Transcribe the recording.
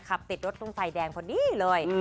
ขับติดรถตรงไฟแดงพอดีเลย